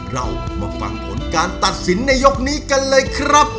เรามาฟังผลการตัดสินในยกนี้กันเลยครับ